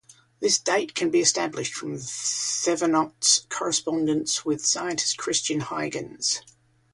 This date can be established from Thevenot's correspondence with scientist Christian Huygens.